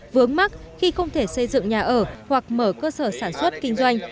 vướng mắt khi không thể xây dựng nhà ở hoặc mở cơ sở sản xuất kinh doanh